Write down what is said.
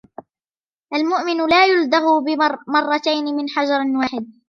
المؤمن لا يُلذغ مرتين من جحر واحد.